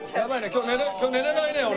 今日寝れないね俺。